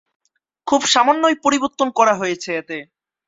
খুব সামান্যই পরিবর্তন করা হয়েছে এতে।